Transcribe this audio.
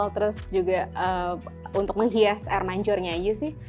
terus juga untuk menghias air mancurnya aja sih